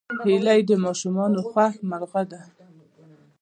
هیلۍ د ماشومانو خوښ مرغه ده